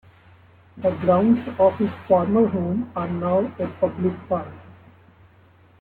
The grounds of his former home are now a public park.